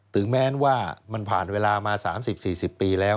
ถึงแม้ว่ามันผ่านเวลามา๓๐๔๐ปีแล้ว